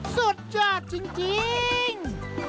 สุดยอดจริง